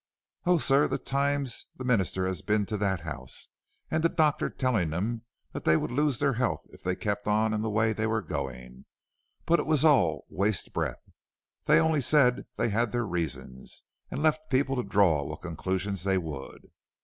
"Oh, sir, the times the minister has been to that house! And the doctor telling them they would lose their health if they kept on in the way they were going! But it was all waste breath; they only said they had their reasons, and left people to draw what conclusions they would."